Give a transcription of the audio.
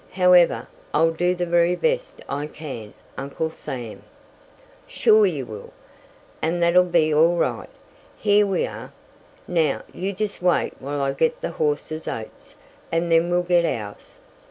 However, I'll do the very best I can, Uncle Sam." "Sure you will, and that'll be all right. Here we are. Now, you just wait while I get the horse's oats, and then we'll get ours."